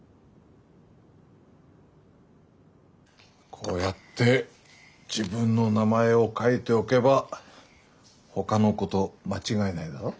こうやって自分の名前を書いておけばほかの子と間違えないだろ？